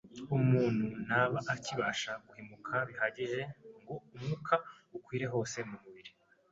umuntu ntaba akibasha guhumeka bihagije ngo umwuka ukwire hose mu mubiri.